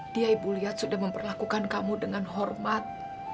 dia ibu lihat sudah memperlakukan kamu dengan hormat